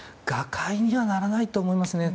瓦解にはならないと思います